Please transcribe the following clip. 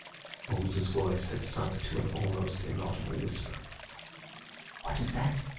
Holmes's voice had sunk to an almost inaudible whisper. "What is that?"